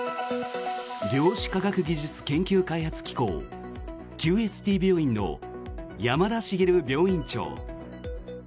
量子科学技術研究開発機構ＱＳＴ病院の山田滋病院長。